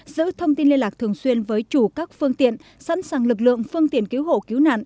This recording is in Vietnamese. giữ thông tin liên lạc thường xuyên với chủ các phương tiện sẵn sàng lực lượng phương tiện cứu hộ cứu nạn